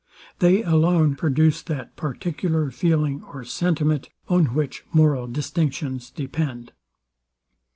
They alone produce that particular feeling or sentiment, on which moral distinctions depend.